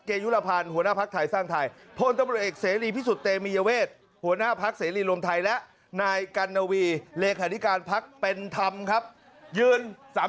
เออมันจะเป็นท่านี้นี่เรียงลำดับสิ